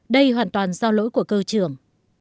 đây hoàn toàn do lỗi của cơ trưởng